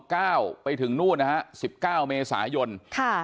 ไปถึงนู่นนะฮะสิบเก้าเมษายนค่ะ